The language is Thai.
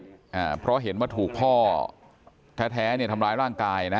อ่าเพราะเห็นว่าถูกพ่อแท้แท้เนี่ยทำร้ายร่างกายนะ